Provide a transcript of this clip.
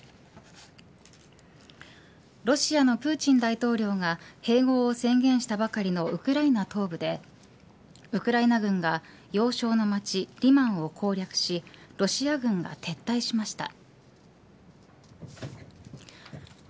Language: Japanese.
ロシアのプーチン大統領が併合を宣言したばかりのウクライナ東部でウクライナ軍が要衝の町リマンを攻略しロシア軍が撤退しました。